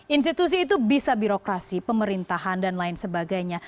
institusi itu bisa birokrasi pemerintahan dan lain sebagainya